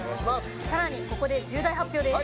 さらに、ここで重大発表です。